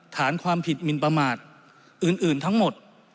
ฐานความผิดมินประมาทอื่นทั้งหมด